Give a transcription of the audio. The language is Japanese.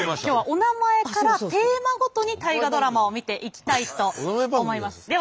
今日はおなまえからテーマごとに「大河ドラマ」を見ていきたいと思います。